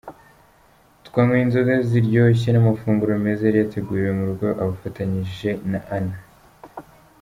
Twanyweye inzoga ziryoshye n’amafunguro meza yari yateguriye mu rugo afatanyije na Anna.